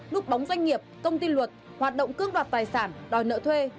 núp bóng doanh nghiệp công tin luật hoạt động cướp đoạt tài sản đòi nợ thuê